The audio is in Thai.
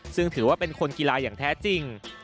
ซึ่งถือว่าเป็นคนกีฬาอย่างแท้จริง